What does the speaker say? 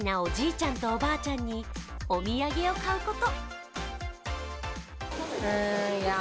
ちゃんとおばあちゃんにお土産を買うこと。